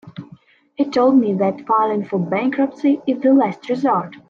He told me that filing for bankruptcy is the last resort.